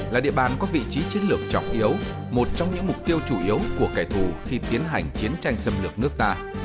là địa bàn có vị trí chiến lược trọng yếu một trong những mục tiêu chủ yếu của kẻ thù khi tiến hành chiến tranh xâm lược nước ta